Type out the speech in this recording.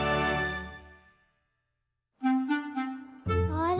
あれ？